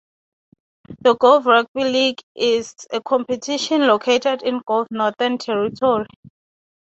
The Gove Rugby League is a competition located in Gove, Northern Territory.